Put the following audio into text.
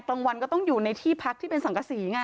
กลางวันก็ต้องอยู่ในที่พักที่เป็นสังกษีไง